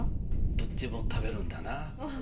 どっちも食べるんだな。